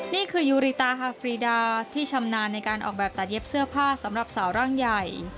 นี่คือยูริตาฮาฟรีดาที่ชำนาญในการออกแบบตัดเย็บเสื้อผ้าสำหรับสาวร่างใหญ่